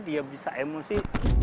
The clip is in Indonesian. dia bisa emosi